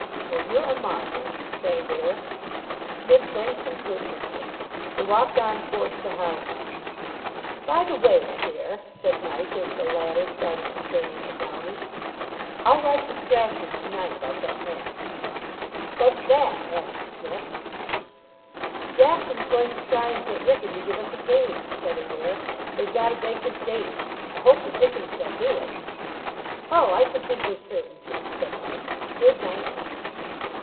"Well, you're a marvel," said Adair. Psmith thanked him courteously. They walked on towards the houses. "By the way, Adair," said Mike, as the latter started to turn in at Downing's, "I'll write to Strachan to night about that match." "What's that?" asked Psmith. "Jackson's going to try and get Wrykyn to give us a game," said Adair. "They've got a vacant date. I hope the dickens they'll do it." "Oh, I should think they're certain to," said Mike. "Good night."